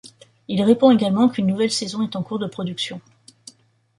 Il répond également qu'une nouvelle saison est en cours de production.